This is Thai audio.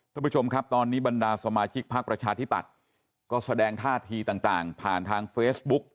ท่านผู้ชมครับตอนนี้บรรดาสมาชิกพักประชาธิปัตย์ก็แสดงท่าทีต่างผ่านทางเฟซบุ๊ก